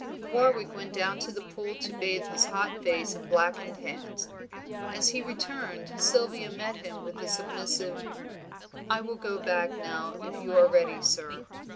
Warwick went down to the pool to bathe his hot face and blackened hands; as he returned Sylvia met him with a submissive "I will go back now if you are ready, sir."